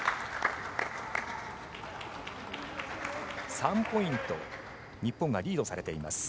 ３ポイント日本がリードされています。